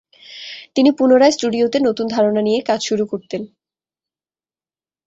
তিনি পুনরায় স্টুডিওতে নতুন ধারণা নিয়ে কাজ শুরু করতেন।